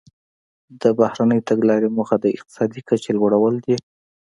د بهرنۍ تګلارې موخه د اقتصادي کچې لوړول دي